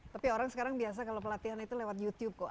tapi orang sekarang biasa kalau pelatihan itu lewat youtube kok